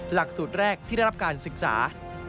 หลักสูตรแรกที่ได้รับการศึกษา